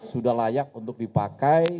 sudah layak untuk dipakai